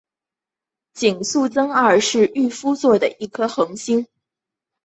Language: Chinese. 井宿增二是御夫座的一颗恒星。